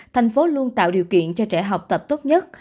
thành phố luôn tạo điều kiện cho trẻ học tập tốt nhất